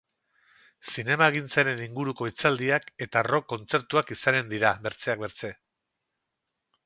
Zinemagintzaren inguruko hitzaldiak eta rock kontzertuak izanen dira, bertzeak bertze.